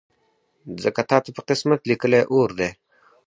ځکه تاته په قسمت لیکلی اور دی